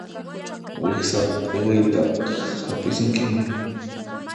Wiksa q'iwiytaq hap'isunkiman.